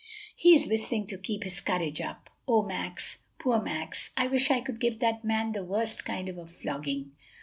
"He's whistling to keep his courage up. O Max! poor Max! I wish I could give that man the worst kind of a flogging!"